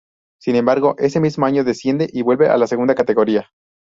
Sin embargo, ese mismo año desciende y vuelve a la segunda categoría.